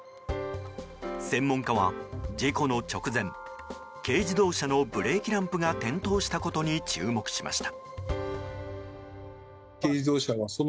専門家は、事故の直前軽自動車のブレーキランプが点灯したことに注目しました。